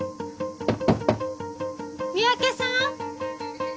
三宅さん！